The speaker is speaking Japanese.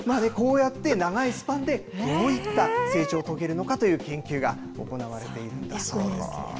こうやって長いスパンでどういった成長を遂げるのかという研究が行われているんだそうです。